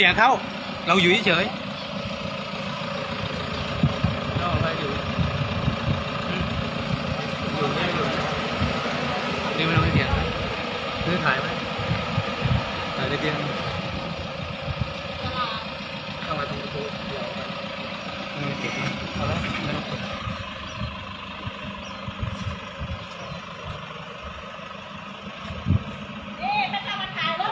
ไม่ต้องมาถ่ายรถขวัดข้างหน้าไม่เกี่ยวกัน